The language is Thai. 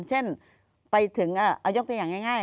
เช่นไปถึงเอายกตัวอย่างง่าย